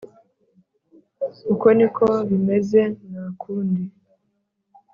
uko niko bimeze nakundi